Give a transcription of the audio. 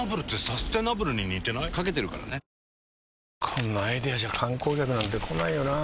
こんなアイデアじゃ観光客なんて来ないよなあ